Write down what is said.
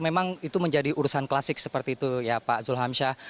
memang itu menjadi urusan klasik seperti itu ya pak zulhamsyah